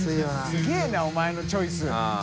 すげぇなお前のチョイス。